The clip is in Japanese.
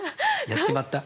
やっちまった。